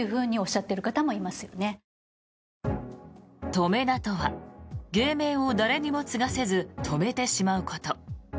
止め名とは芸名を誰にも継がせず止めてしまうこと。